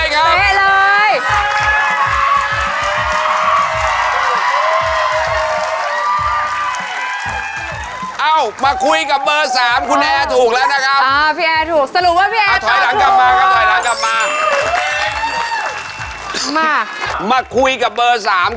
ก้าว๑เบอร์๑